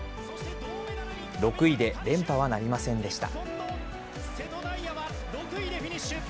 ６位で連覇はなりませんでした。